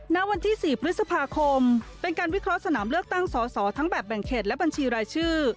ณวันที่๔พฤษภาคมเป็นการวิเคราะห์สนามเลือกตั้งสอสอทั้งแบบแบ่งเขตและบัญชีรายชื่อ